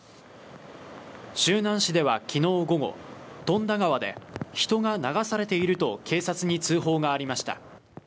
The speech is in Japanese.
周南市では、昨日午後、富田川で人が流されていると警察に通報がありました。